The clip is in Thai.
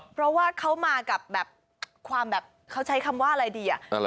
เพราะว่าเขามากับแบบความแบบเขาใช้คำว่าอะไรดีอะ